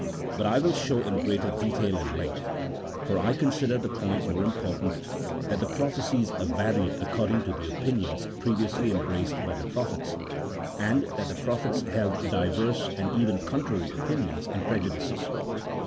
33 But I will show in greater detail and length, for I consider the point more important, that the prophecies varied accord ing to the opinions previously embraced by the prophets, and that the prophets held diverse and even contrary opin ions and prejudices.